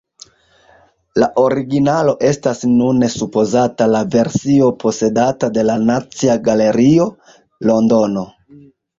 La originalo estas nune supozata la versio posedata de la Nacia Galerio, Londono.